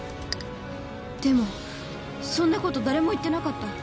でもそんなこと誰も言ってなかった！